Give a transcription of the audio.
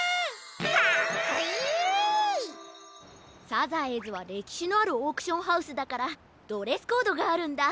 サザエーズはれきしのあるオークションハウスだからドレスコードがあるんだ。